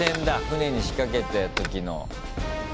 船に仕掛けた時の。